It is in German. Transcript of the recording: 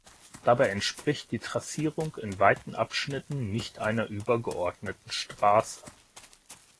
Dabei entspricht die Trassierung in weiten Abschnitten nicht einer übergeordneten Straße.